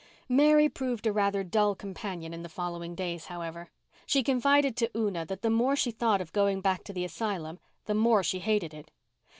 Mary proved a rather dull companion in the following days, however. She confided to Una that the more she thought of going back to the asylum the more she hated it.